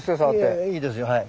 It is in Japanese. いやいいですよはい。